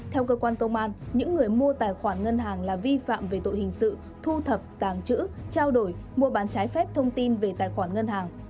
theo cơ quan công an những người mua tài khoản ngân hàng là vi phạm về tội hình sự thu thập tàng chữ trao đổi mua bán trái phép thông tin về tài khoản ngân hàng